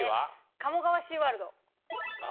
鴨川シーワールド。